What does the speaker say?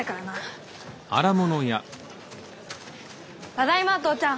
ただいま父ちゃん。